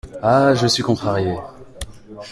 Ah ! je suis contrariée…